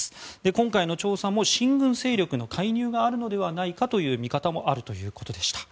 今回の調査も親軍勢力の介入があるのではないかという見方もあるということでした。